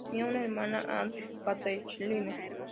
Tenía una hermana, Ann-Catherine.